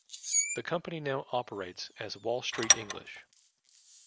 The company now operates as Wall Street English.